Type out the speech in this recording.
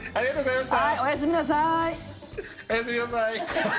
おやすみなさい。